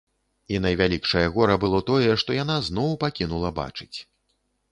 І найвялікшае гора было тое, што яна зноў пакінула бачыць.